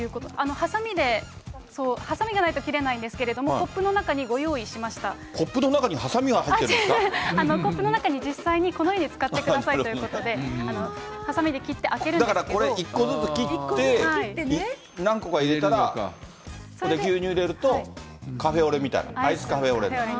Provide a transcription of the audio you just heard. はさみで、はさみがないと切れないんですけれども、コップのコップの中にはさみが入ってコップの中に、実際にこのように使ってくださいということで、はさみで切って開だからこれ、１個ずつ切って何個か入れたら、ほんで牛乳入れたら、カフェオレみたいに、アイスカフェオレに。